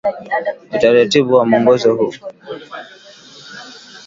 Utaratibu wa mwongozo huu